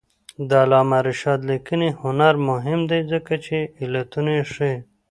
د علامه رشاد لیکنی هنر مهم دی ځکه چې علتونه ښيي.